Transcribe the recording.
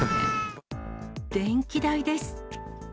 電気代です。